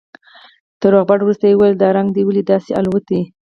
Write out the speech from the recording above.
تر روغبړ وروسته يې وويل دا رنگ دې ولې داسې الوتى.